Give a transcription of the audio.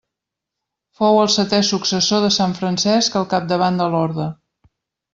Fou el setè successor de sant Francesc al capdavant de l'orde.